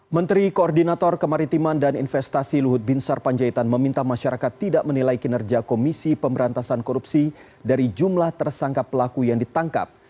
menteri koordinator kemaritiman dan investasi luhut bin sarpanjaitan meminta masyarakat tidak menilai kinerja komisi pemberantasan korupsi dari jumlah tersangka pelaku yang ditangkap